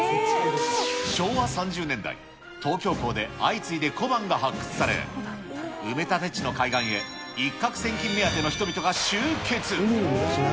昭和３０年代、東京港で相次いで小判が発掘され、埋め立て地の海岸へ一獲千金目当ての人々が集結。